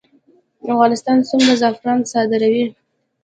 افغانستان څومره زعفران صادروي؟